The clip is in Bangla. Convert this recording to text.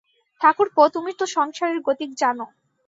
ঠাকুরপো, তুমি তো সংসারের গতিক জান।